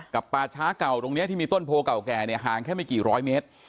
ป่าช้าเก่าตรงนี้ที่มีต้นโพเก่าแก่เนี่ยห่างแค่ไม่กี่ร้อยเมตร